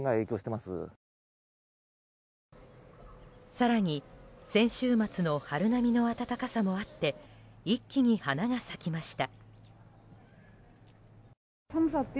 更に、先週末の春並みの暖かさもあって一気に花が咲きました。